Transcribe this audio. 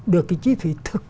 được cái chi phí thực